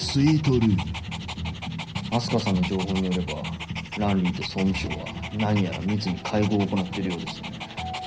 明日香さんの情報によればランリーと総務省は何やら密に会合を行っているようですね。